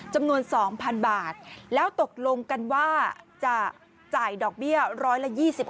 จำนวน๒๐๐๐บาทแล้วตกลงกันว่าจะจ่ายดอกเบี้ยร้อยละ๒๖